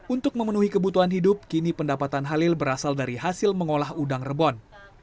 untuk memenuhi kebutuhan hidup kini pendapatan halil berasal dari hasil mengolah udang rebon